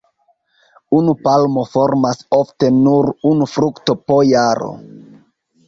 Unu palmo formas ofte nur unu frukto po jaro.